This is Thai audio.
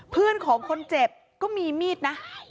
เพื่อนของคนเจ็บก็มีมีดนะ